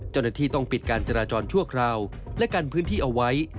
จณที่ต้องปิดการ้าจรชั่วคราวและการพื้นที่เอาไว้